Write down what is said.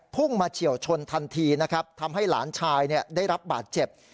พุ่งมาเฉียวชนทันทีนะครับทำให้หลานชายได้รับบาดเจ็บ